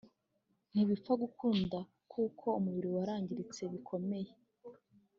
ntibipfa gukunda kuko umubiri uwa warangiritse bikomeye